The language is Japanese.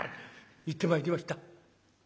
「行ってまいりました」。